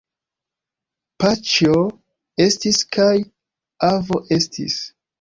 Paĉjo estis kaj avo estis.